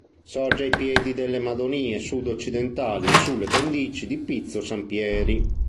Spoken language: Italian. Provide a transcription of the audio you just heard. Sorge ai piedi delle Madonie sud-occidentali, sulle pendici di pizzo Sampieri.